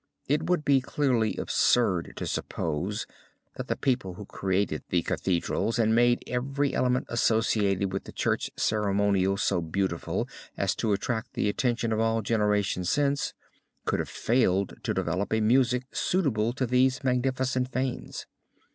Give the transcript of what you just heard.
It would be clearly absurd to suppose, that the people who created the Cathedrals and made every element associated with the church ceremonial so beautiful as to attract the attention of all generations since, could have failed to develop a music suitable to these magnificent fanes.